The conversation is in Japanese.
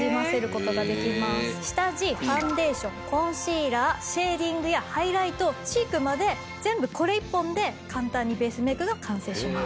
下地ファンデーションコンシーラーシェーディングやハイライトチークまで全部これ１本で簡単にベースメイクが完成します。